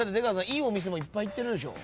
いいお店もいっぱい行ってるでしょ。